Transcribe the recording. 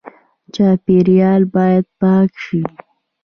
چاپیریال باید پاک شي